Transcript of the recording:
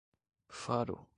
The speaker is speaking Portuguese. Faro